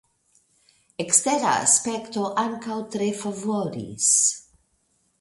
Ekstera aspekto ankaŭ tre favoris.